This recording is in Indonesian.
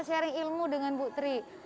sharing ilmu dengan bu tri